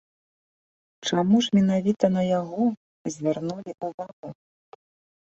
Чаму ж менавіта на яго звярнулі ўвагу?